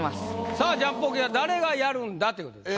さあジャンポケは誰がやるんだということです。